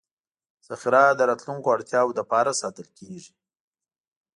ذخیره د راتلونکو اړتیاوو لپاره ساتل کېږي.